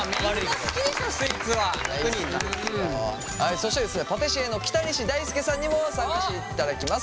そしてですねパティシエの北西大輔さんにも参加していただきます。